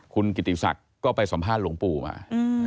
คุณกิติศักดิ์ก็ไปสัมภาษณ์หลวงปู่มา